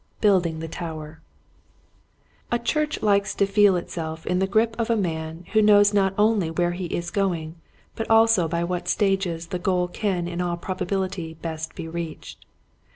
Building the Tower, A CHURCH likes to feel itself in the grip of a man who knows not only where he is going but also by what stages the goal can in all probability best be reached.